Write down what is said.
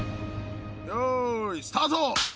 よーい！スタート！